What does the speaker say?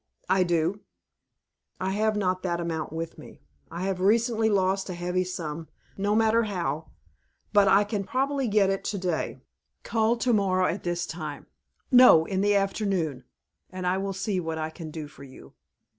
"I do." "I have not that amount with me. I have recently lost a heavy sum, no matter how. But I can probably get it to day. Call to morrow at this time, no, in the afternoon, and I will see what I can do for you."